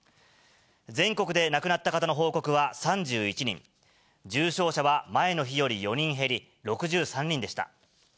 全国で亡くなった方の報告は３１人、重症者は前の日より４人減り６３人でした。